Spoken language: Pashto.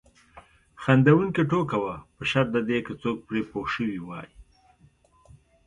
خندونکې ټوکه وه په شرط د دې که څوک پرې پوه شوي وای.